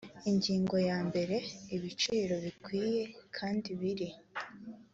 ingingo yambere ibiciro bikwiye kandi biri